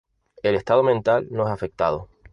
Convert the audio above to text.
El estado mental no es afectado.